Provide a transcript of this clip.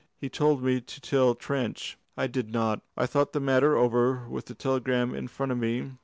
He told me to tell Trench. I did not. I thought the matter over with the telegram in front of me.